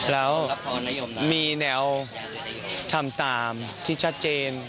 แล้วมีแนวทำตามที่ชัดเจน